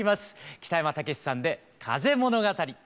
北山たけしさんで「風物語」。